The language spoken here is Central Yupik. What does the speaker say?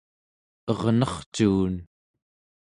ernercuun